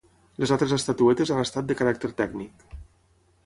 Les altres estatuetes han estat de caràcter tècnic.